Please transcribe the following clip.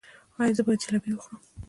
ایا زه باید جلبي وخورم؟